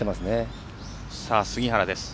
杉原です。